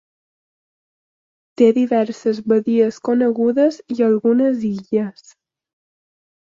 Té diverses badies conegudes i algunes illes.